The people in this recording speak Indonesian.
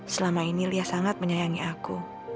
selama ini lia sangat menyayangi aku